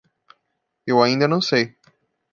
Eu ainda não sei